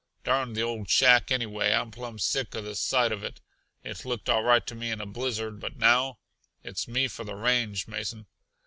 Darn the old shack, anyway! I'm plumb sick uh the sight of it. It looked all right to me in a blizzard, but now it's me for the range, m'son."